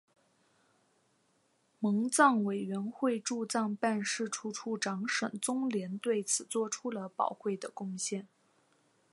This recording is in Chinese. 蒙藏委员会驻藏办事处处长沈宗濂对此作出了宝贵的贡献。